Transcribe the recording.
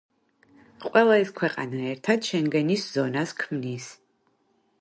ყველა ეს ქვეყანა ერთად შენგენის ზონას ქმნის.